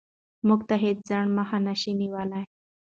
موږ ته هېڅ خنډ مخه نشي نیولی.